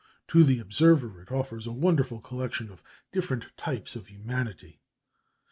To the observer it offers a wonderful collection of different types of humanity.